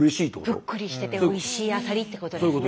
ぷっくりしてておいしいアサリってことですね。